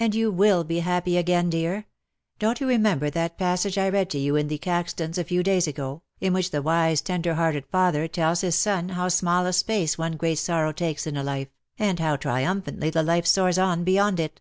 "And you will be happy again, dear. Don't you remember that passage I read to you in 'The Caxtons' a few days ago, in which the wise tender hearted father tells his son how small a space one great sorrow takes in a life, and how triumphantly the life soars on beyond it